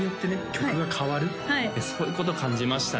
曲が変わるそういうことを感じましたね